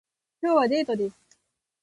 今日はデートです